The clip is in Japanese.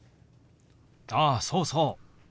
あそうそう。